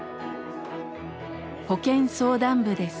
保健相談部です。